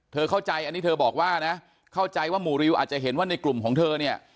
เข้าใจอันนี้เธอบอกว่านะเข้าใจว่าหมู่ริวอาจจะเห็นว่าในกลุ่มของเธอเนี่ย